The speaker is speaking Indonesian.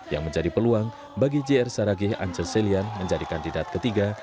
yang menjadi peluang bagi jr saragih ance selian menjadi kandidat ketiga